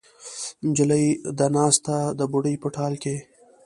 نجلۍ ده ناسته د بوډۍ په ټال کې